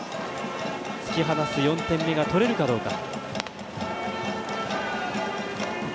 突き放す４点目が取れるかどうか。